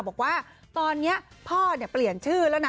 บอกว่าตอนนี้พ่อเปลี่ยนชื่อแล้วนะ